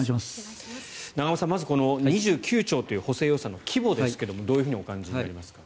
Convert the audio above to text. まず、この２９兆という補正予算の規模ですがどういうふうにお感じになりますか？